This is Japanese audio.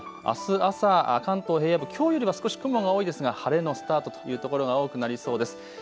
あす朝、関東平野部、きょうよりは少し雲が多いですが晴れのスタートというところが多くなりそうです。